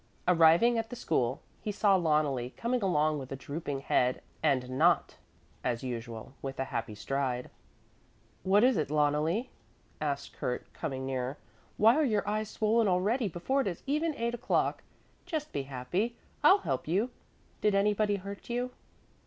Arriving at the school, he saw Loneli coming along with a drooping head and not, as usual, with a happy stride. "What is it, Loneli?" asked Kurt coming nearer. "Why are your eyes swollen already before it is even eight o'clock? Just he happy. I'll help you. Did anybody hurt you?"